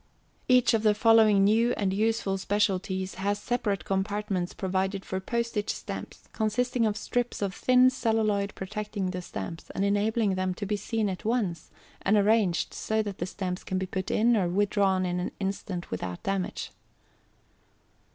Each of the following New and Useful Specialities has separate compartments provided for Postage Stamps, consisting of strips of thin celluloid protecting the stamps, and enabling them to be seen at once, and arranged so that the stamps can be put in or withdrawn in an instant without damage.